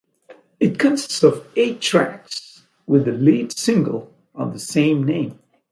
It consists of eight tracks with the lead single of the same name.